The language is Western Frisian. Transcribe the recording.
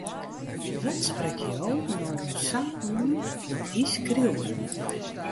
Wat sprekt jo no sa oan yn dy skriuwer?